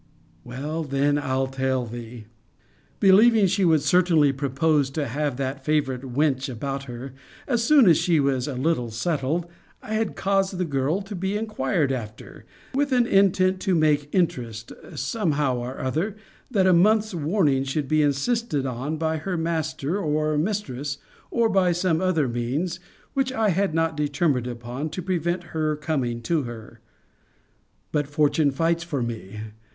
Well, then I'll tell thee. Believing she would certainly propose to have that favourite wench about her, as soon as she was a little settled, I had caused the girl to be inquired after, with an intent to make interest, some how or other, that a month's warning should be insisted on by her master or mistress, or by some other means, which I had not determined upon, to prevent her coming to her. But fortune fights for me.